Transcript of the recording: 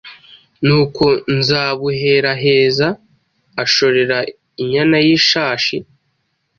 nuko nzabuheraheza ashorera inyana y’ishashi,